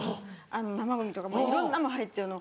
あの生ゴミとかもういろんなもの入ってるの。